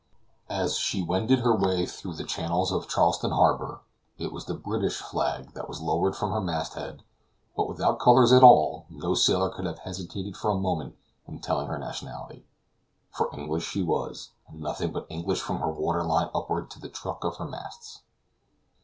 As she wended her way through the channels of Charleston harbor, it was the British flag that was lowered from her mast head; but without colors at all, no sailor could have hesitated for a moment in telling her nationality, for English she was, and nothing but English from her water line upward to the truck of her masts.